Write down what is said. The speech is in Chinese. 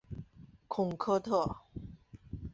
孔科特。